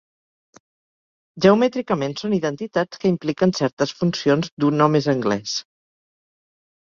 Geomètricament, són identitats que impliquen certes funcions d'un o més angles.